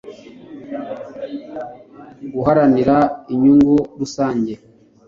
guharanira inyungu rusange